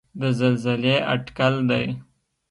د زلزلې اټکل دی.